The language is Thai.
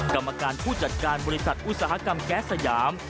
กรรมการผู้จัดการบริษัทอุตสาหกรรมแก๊สสยาม